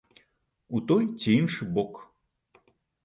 У той ці іншы бок.